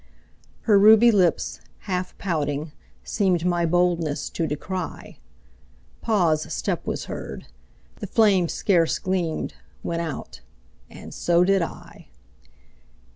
Her ruby lips, half pouting, seemed My boldness to decry. Pa's step was heard. The flame scarce gleamed, Went out and so did I.